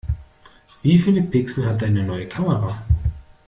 Wie viele Pixel hat deine neue Kamera?